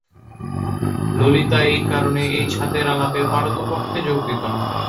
ললিতা এই কারণে এই ছাতের আলাপে পারতপক্ষে যোগ দিত না।